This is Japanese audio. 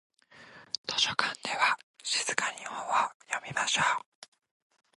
図書館では静かに本を読みましょう。